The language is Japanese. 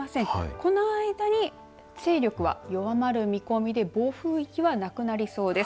この間に、勢力は弱まる見込みで暴風域はなくなりそうです。